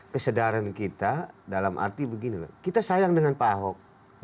kesadaran kita dalam arti begini loh kita sayang dengan pak ahok